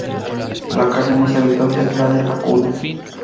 La carne más habitual es la de vacuno.